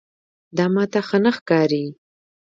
دا ماته ښه نه ښکاري.